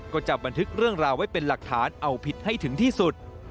ก็จะบันทึกเรื่องราวไว้เป็นหลักฐานเอาผิดให้ถึงที่สุด